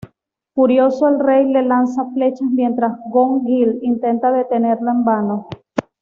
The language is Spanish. Furioso, el rey le lanza flechas mientras Gong-gil intenta detenerlo en vano.